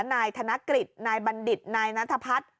นายธนกฤษนายบัณฑิตนายนัทพัฒน์